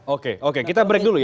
oke oke kita break dulu ya